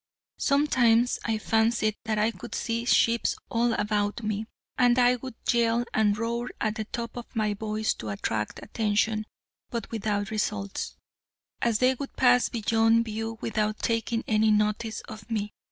Sometimes I fancied that I could see ships all about me, and I would yell, and roar at the top of my voice to attract attention, but without results, as they would pass beyond view without taking any notice of me.